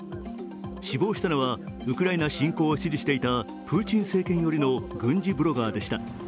死亡したのはウクライナ侵攻を支持していたプーチン政権寄りの軍事ブロガーでした。